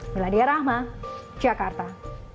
melania rahma jakarta